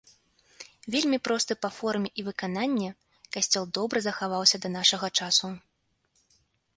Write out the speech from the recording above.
Вельмі просты па форме і выкананні касцёл добра захаваўся да нашага часу.